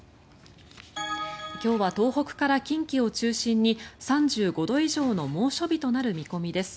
今日は東北から近畿を中心に３５度以上の猛暑日となる見込みです。